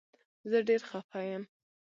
زه ډير خفه يم